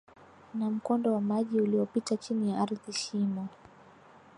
na mkondo wa maji uliopita chini ya ardhi Shimo